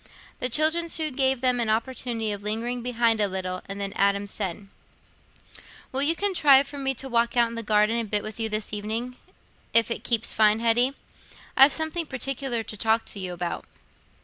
The children soon gave them an opportunity of lingering behind a little, and then Adam said: "Will you contrive for me to walk out in the garden a bit with you this evening, if it keeps fine, Hetty? I've something partic'lar to talk to you about."